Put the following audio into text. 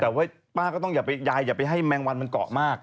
แต่ว่าป้าก็ต้องอย่าไปยายอย่าไปให้แมงวันมันเกาะมาก